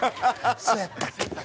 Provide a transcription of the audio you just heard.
そうやったっけ？